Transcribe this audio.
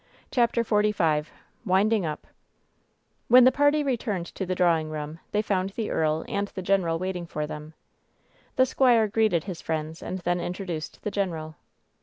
CHAPTER XLV WINDING UP When the party returned to the drawing room they found the earl and the general waiting for them. The squire greeted his friends, and then introduced the general.